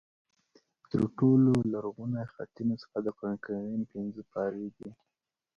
تر ټولو لرغونې خطي نسخه د قرآن کریم پنځه پارې دي.